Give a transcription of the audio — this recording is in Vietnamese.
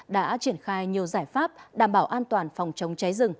đã triển khai nhiều giải pháp đảm bảo an toàn phòng chống cháy rừng